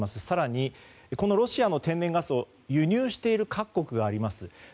更に、ロシアの天然ガスを輸入している各国があります。